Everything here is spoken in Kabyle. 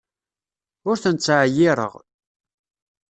Ur ten-ttɛeyyiṛeɣ.